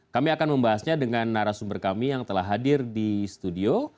kami akan membahasnya dengan narasumber kami yang telah hadir di studio